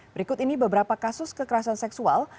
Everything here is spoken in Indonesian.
berikut ini beberapa kasus kekerasan seksual